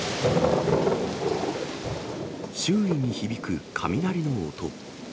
周囲に響く雷の音。